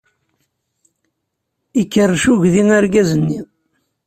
Ikerrec uydi argaz-nni.